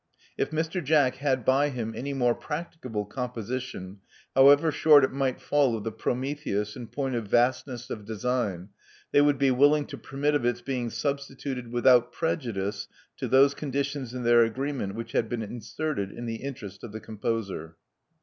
If Mr. Jack had by him any more practicable composition, however short it :might fall of the 'Prometheus' in point of vastness of design, they would be willing to permit of its being substituted without prejudice to those conditions in their agreement which had been inserted in the interest of the composer."